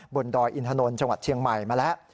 ดอยอินทนนท์จังหวัดเชียงใหม่มาแล้ว